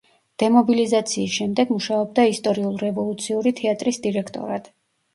დემობილიზაციის შემდეგ მუშაობდა ისტორიულ-რევოლუციური თეატრის დირექტორად.